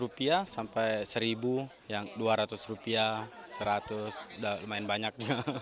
lima ratus rupiah sampai satu ribu yang dua ratus rupiah seratus udah lumayan banyak